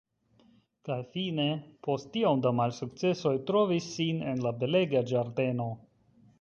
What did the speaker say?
Kaj fine post tiom da malsukcesoj trovis sin en la belega ĝardeno.